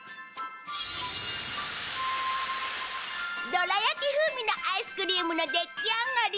どら焼き風味のアイスクリームのできあがり。